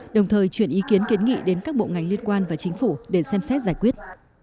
đồng thời chuyển ý kiến kiến nghị đến các bộ ngành liên quan và chính phủ để xem xét giải quyết